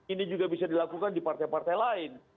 ini juga bisa dilakukan di partai partai lain